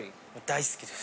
大好き。